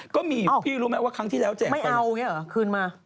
ก็มีพี่รู้ไหมว่าครั้งที่แล้วแจกไม่เอาอย่างนี้เหรอคืนมา